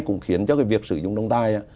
cũng khiến cho việc sử dụng đồng tài